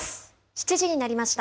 ７時になりました。